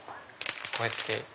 こうやって。